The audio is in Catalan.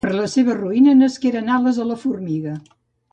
Per a la seva ruïna nasqueren ales a la formiga.